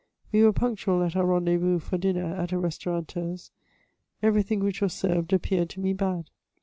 We were punctual at our rendez vous for dinner at a restaurateur's. Everything which was served appeared to me bad.